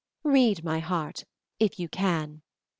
Read my heart, if you can.